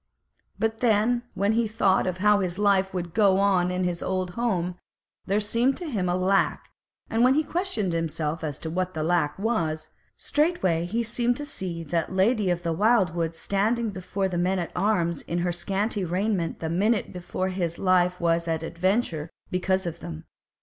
But then when he thought of how his life would go in his old home, there seemed to him a lack, and when he questioned himself as to what that lack was, straightway he seemed to see that Lady of the Wildwood standing before the men at arms in her scanty raiment the minute before his life was at adventure because of them.